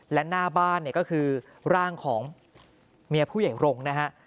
และหน้าบ้านก็คือร่างของเมียผู้ใหญ่โรง